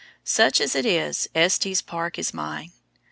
Such as it is, Estes Park is mine.